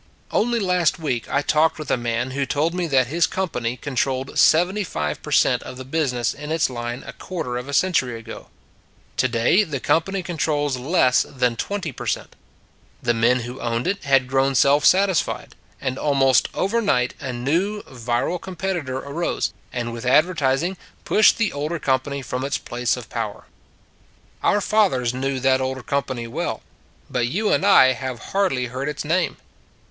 Only last week I talked with a man who told me that his company controlled seventy five percent of the business in its line a quarter of a century ago. Today the company controls less than twenty percent. The men who owned it had grown self satisfied; and almost over " Which Knew Not Joseph " 45 night a new, virile competitor arose, and with advertising pushed the older company from its place of power. Our fathers knew that older company well; but you and I have hardly heard its name.